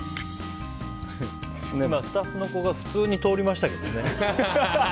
今、スタッフの子が普通に通りましたけどね。